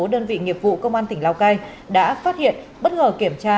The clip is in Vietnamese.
một số đơn vị nghiệp vụ công an tỉnh lào cai đã phát hiện bất ngờ kiểm tra